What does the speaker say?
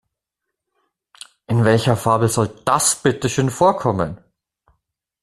In welcher Fabel soll das bitteschön vorkommen?